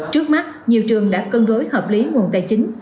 trước mắt nhiều trường đã cân đối hợp lý nguồn tài chính